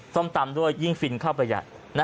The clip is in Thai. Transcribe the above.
ส้มตำด้วยยิ่งฟินข้าวระยะ